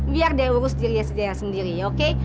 biar dia urus diri sendiri oke